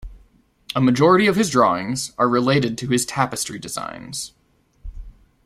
A majority of his drawings are related to his tapestry designs.